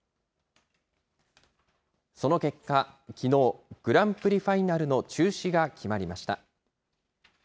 その結果、きのう、グランプリファイナルの中止が決まりました。